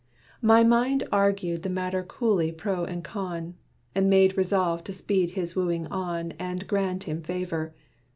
My mind Argued the matter coolly pro and con, And made resolve to speed his wooing on And grant him favor.